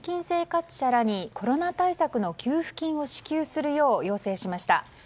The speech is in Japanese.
生活者らにコロナ対策の給付金を支給するよう要請しました。